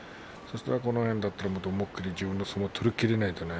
この辺だったら、思い切り自分の相撲を取らないとね。